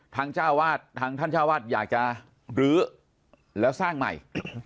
ทางเจ้าวาดทางท่านเจ้าวาดอยากจะรื้อแล้วสร้างใหม่